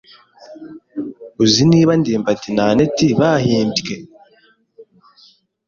Uzi niba ndimbati na anet bahimbye?